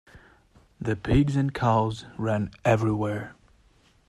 The pigs and cows ran everywhere.